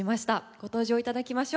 ご登場いただきましょう。